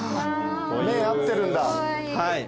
目合ってるんだ。